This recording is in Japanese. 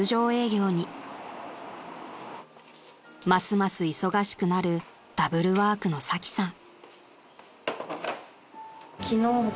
［ますます忙しくなるダブルワークのサキさん］